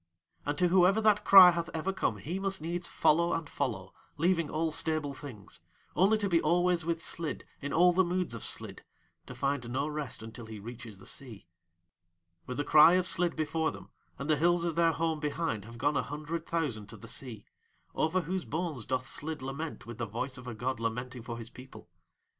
And to whoever that cry hath ever come he must needs follow and follow, leaving all stable things; only to be always with Slid in all the moods of Slid, to find no rest until he reaches the sea. With the cry of Slid before them and the hills of their home behind have gone a hundred thousand to the sea, over whose bones doth Slid lament with the voice of a god lamenting for his people.